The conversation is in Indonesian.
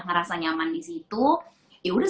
ngerasa nyaman disitu ya udah